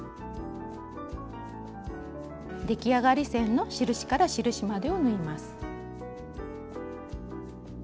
出来上がり線の印から印までを縫います。